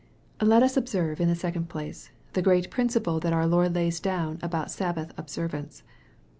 Let us observe, in the second place, the great principle that our Lord lays down about Sabbath observance.